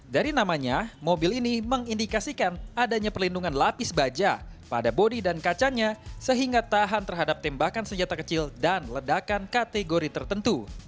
dari namanya mobil ini mengindikasikan adanya perlindungan lapis baja pada bodi dan kacanya sehingga tahan terhadap tembakan senjata kecil dan ledakan kategori tertentu